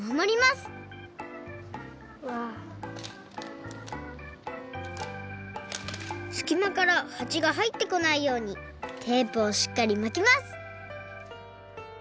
すきまからはちがはいってこないようにテープをしっかりまきます